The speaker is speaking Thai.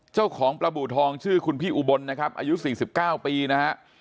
เจ้าของปลาบูทองชื่อคุณพี่อุบลนะครับอายุ๔๙ปีนะฮะ